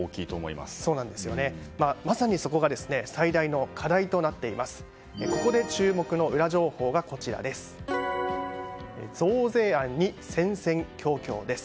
まさに、そこが最大の課題となっています。